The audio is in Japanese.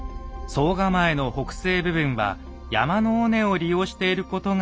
総構の北西部分は山の尾根を利用していることが分かりました。